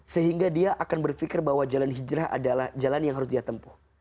sehingga dia akan berpikir bahwa jalan hijrah adalah jalan yang harus dia tempuh